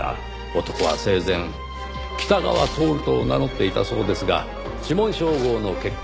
男は生前「北川徹」と名乗っていたそうですが指紋照合の結果